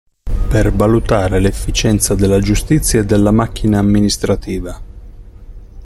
Per valutare l'efficienza della giustizia e della macchina amministrativa.